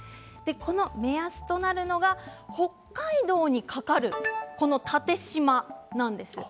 この目安となるのが北海道にかかる縦じまなんですよ。